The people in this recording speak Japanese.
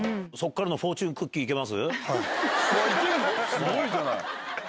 すごいじゃない。